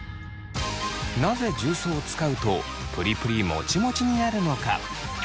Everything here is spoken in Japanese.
なぜ重曹を使うとプリプリもちもちになるのか。